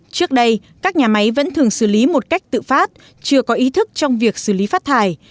trước đây các nhà máy vẫn thường xử lý một cách tự phát chưa có ý thức trong việc xử lý phát thải